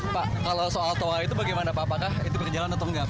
pak kalau soal toa itu bagaimana pak apakah itu berjalan atau enggak